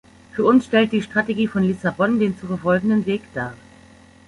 Für uns stellt die Strategie von Lissabon den zu verfolgenden Weg dar.